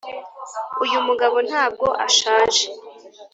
uyumugabo ntabwo ashaje